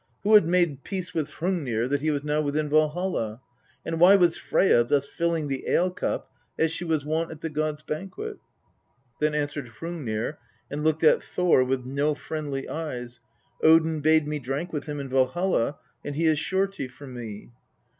who had made peace with Hrungnir that he was now within Valholl? and why was Freyja thus filling the ale cup as she was wont at the gods' banquet ?" Then answered Hrungnir, and looked at Thor with no friendly eyes, " Odin bade me drink with him in Valholl, and he is surety for me."